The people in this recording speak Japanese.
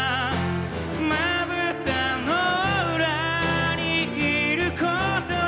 「まぶたのうらにいることで」